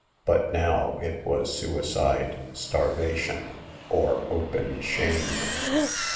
But now it was suicide, starvation or open shame.